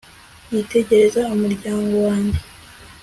yitegereza umuryango wanjye